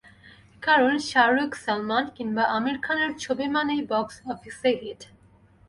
কারণ শাহরুখ, সালমান কিংবা আমির খানের ছবি মানেই বক্স অফিসে হিট।